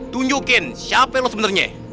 tunjukkan siapa kamu sebenarnya